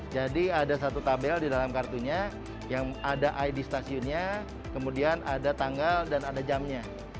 jadi ada satu tabel di dalam kartunya yang ada id stasiunnya kemudian ada tanggal dan ada jamnya